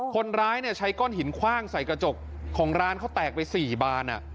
คนร้ายใช้ก้อนหินคว่างใส่กระจกของร้านเขาแตกไป๔บาน